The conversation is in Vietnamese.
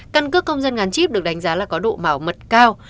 căn cước công dân gắn chip được đánh giá là có độ bảo mật cao